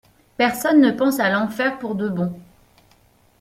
Personne ne pense à l'enfer pour de bon.